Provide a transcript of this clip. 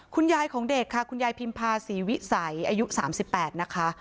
คุณยายของเด็กค่ะคุณยายพิมพาศรีวิสัยอายุ๓๘นะคะ